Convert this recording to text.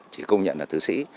chỉ công nhận là thư sĩ